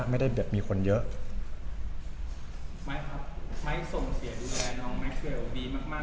ไม่ได้แบบมีคนเยอะไม้ครับไม้ส่งเสียดูแลน้องแม็กเกลดีมากมาก